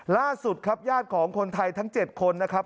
ล่าสุดครับญาติของคนไทยทั้ง๗คนนะครับ